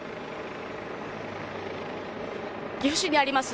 岐阜市にあります